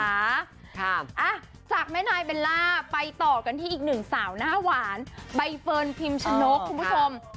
อ่ะจากแม่นายเบลล่าไปต่อกันที่อีกหนึ่งสาวหน้าหวานใบเฟิร์นพิมชนกคุณผู้ชม